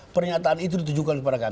pernyataan itu ditujukan kepada kami